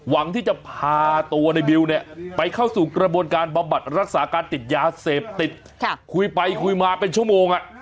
หวังที่จะพาตัวในบิวเนี่ยไปเข้าสู่กระบวนการบำบัดรักษาการติดยาเสพติดคุยไปคุยมาเป็นชั่วโมง